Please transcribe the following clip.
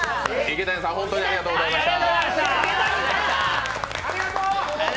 池谷さん、本当にありがとうございました。